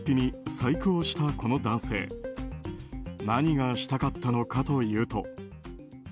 何がしたかったのかというと。